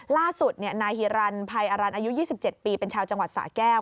ล่าสุดนายฮิรันภัยอรันอายุ๒๗ปีเป็นชาวจังหวัดสะแก้ว